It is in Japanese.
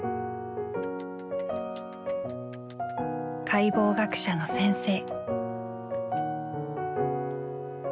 解剖学者の先生。